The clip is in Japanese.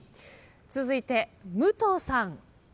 続いて武藤さん。